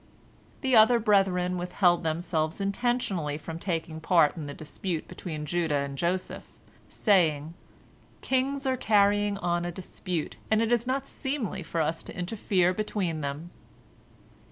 The other brethren withheld themselves intentionally from taking part in the dispute between Judah and Joseph, saying, "Kings are carrying on a dispute, and it is not seemly for us to interfere between them."